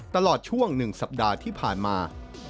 ตลอดช่วง๑สัปดาห์ที่ผ่านมา